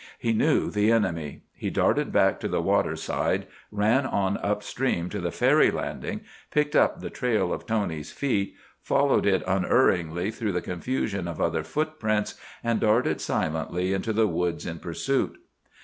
He knew the enemy. He darted back to the waterside, ran on up stream to the ferry landing, picked up the trail of Tony's feet, followed it unerringly through the confusion of other footprints, and darted silently into the woods in pursuit.